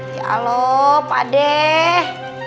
ya aloh pak deh